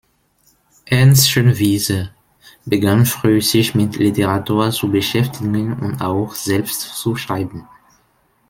Ernst Schönwiese begann früh, sich mit Literatur zu beschäftigen und auch selbst zu schreiben.